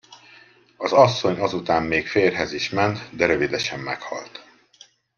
Az asszony azután még férjhez is ment, de rövidesen meghalt.